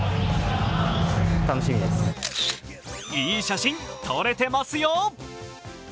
いい写真、撮れてますよ